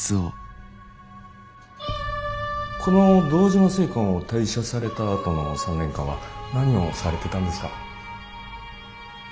この堂島製缶を退社されたあとの３年間は何をされてたんですか？